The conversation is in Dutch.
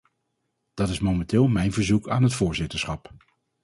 Dat is momenteel mijn verzoek aan het voorzitterschap.